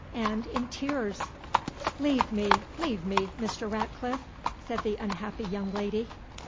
and in tears!" "Leave me leave me, Mr. Ratcliffe," said the unhappy young lady.